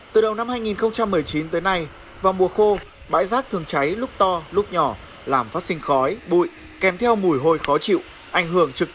từ đầu năm hai nghìn một mươi chín tới nay vào mùa khô bãi rác thường cháy lúc to lúc nhỏ